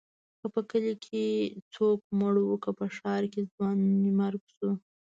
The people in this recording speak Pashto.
که په کلي کې څوک مړ و، که په ښار کې ځوانيمرګ شو.